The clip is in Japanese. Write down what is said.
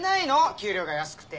給料が安くて。